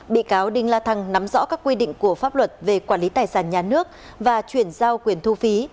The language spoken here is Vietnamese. bị cáo đinh la thăng nắm rõ các quy định của pháp luật về quản lý tài sản nhà nước và chuyển giao quyền thu phí